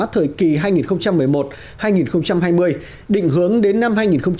thời kỳ hai nghìn một mươi một hai nghìn hai mươi định hướng đến năm hai nghìn ba mươi